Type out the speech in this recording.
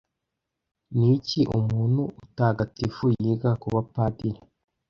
Ni iki umuntu utagatifu yiga ku bupadiri